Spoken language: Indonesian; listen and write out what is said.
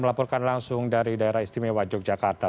melaporkan langsung dari daerah istimewa yogyakarta